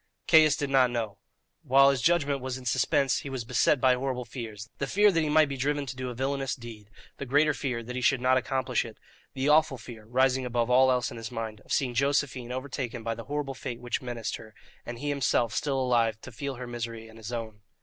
Caius did not know. While his judgment was in suspense he was beset by horrible fears the fear that he might be driven to do a villainous deed, the greater fear that he should not accomplish it, the awful fear, rising above all else in his mind, of seeing Josephine overtaken by the horrible fate which menaced her, and he himself still alive to feel her misery and his own.